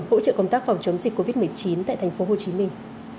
hỗ trợ công tác phòng chống dịch covid một mươi chín tại thành phố hồ chí minh